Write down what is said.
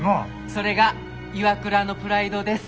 それがＩＷＡＫＵＲＡのプライドです！